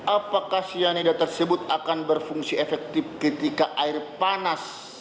apakah cyanida tersebut akan berfungsi efektif ketika air panas